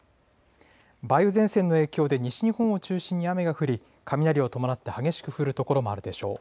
梅雨前線の影響で西日本を中心に雨が降り雷を伴って激しく降る所もあるでしょう。